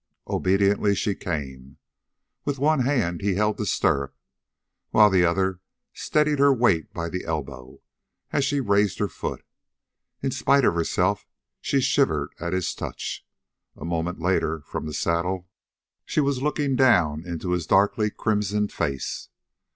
Obediently she came. With one hand he held the stirrup, while the other steadied her weight by the elbow, as she raised her foot. In spite of herself she shivered at his touch. A moment later, from the saddle, she was looking down into a darkly crimsoned face.